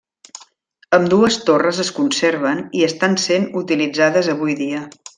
Ambdues torres es conserven i estan sent utilitzades avui dia.